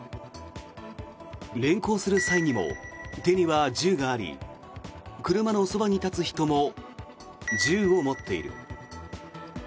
連行する際にも手には銃があり車のそばに立つ人も銃を持っている。